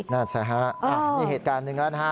นั่นแหละสิฮะนี่เหตุการณ์หนึ่งแล้วนะฮะ